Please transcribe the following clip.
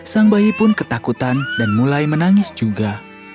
sang bayi pun ketakutan dan mulai menangis juga